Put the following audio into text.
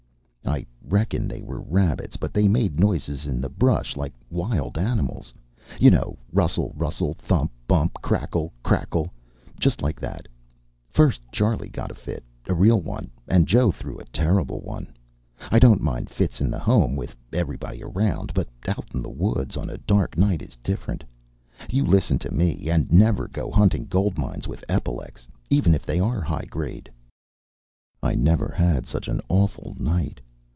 I reckon they were rabbits, but they made noises in the brush like wild animals you know, rustle rustle, thump, bump, crackle crackle, just like that. First Charley got a fit, a real one, and Joe threw a terrible one. I don't mind fits in the Home with everybody around. But out in the woods on a dark night is different. You listen to me, and never go hunting gold mines with epilecs, even if they are high grade. I never had such an awful night.